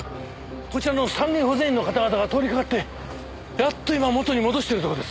こちらの山林保全員の方々が通りかかってやっと今元に戻してるとこです。